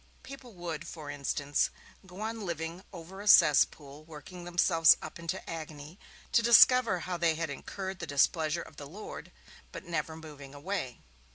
People would, for instance, go on living over a cess pool, working themselves up into an agony to discover how they had incurred the displeasure of the Lord, but never moving away.